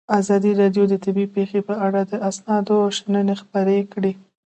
ازادي راډیو د طبیعي پېښې په اړه د استادانو شننې خپرې کړي.